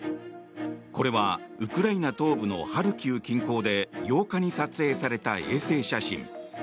これはウクライナ東部のハルキウ近郊で８日に撮影された衛星写真。